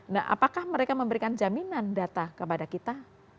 nah apakah mereka memberikan jaminan data kepada kita